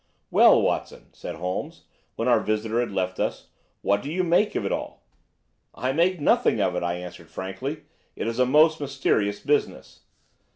"Well, Watson," said Holmes when our visitor had left us, "what do you make of it all?" "I make nothing of it," I answered frankly. "It is a most mysterious business."